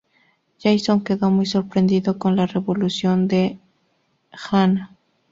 Jason quedó muy sorprendido con la revelación de De Anna.